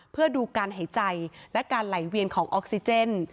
เพื่อดูการหายใจและการไหลเวียนของออกซิเจน